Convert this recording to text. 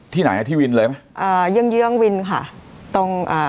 ไหนอ่ะที่วินเลยไหมอ่าเยื่องเยื่องวินค่ะตรงอ่า